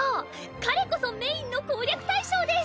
彼こそメインの攻略対象です。